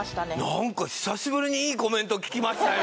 何か久しぶりにいいコメント聞きましたよ